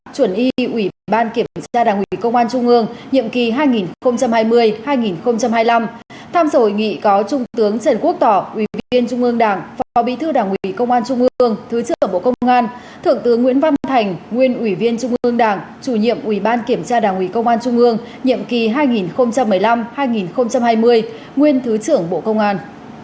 chuẩn y ủy ban kiểm tra đảng quỳ công an trung ương nhiệm kỳ hai nghìn hai mươi hai nghìn hai mươi năm tham dội nghị có trung tướng trần quốc tỏ ủy viên trung ương đảng phó bí thư đảng quỳ công an trung ương thứ trưởng bộ công an thượng tướng nguyễn văn thành nguyên ủy viên trung ương đảng chủ nhiệm ủy ban kiểm tra đảng quỳ công an trung ương nhiệm kỳ hai nghìn một mươi năm hai nghìn hai mươi nguyên thứ trưởng bộ công an